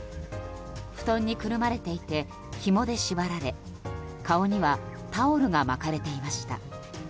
布団にくるまれていてひもで縛られ顔にはタオルが巻かれていました。